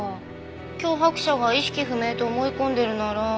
脅迫者が意識不明と思い込んでるなら。